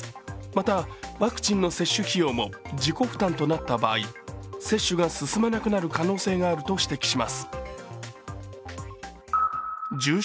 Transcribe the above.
また、ワクチンの接種費用も自己負担となった場合接種が進まなくなる可能性があると指摘します。